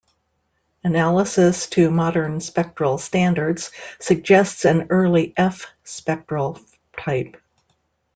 Analysis to modern spectral standards suggests an early F spectral type.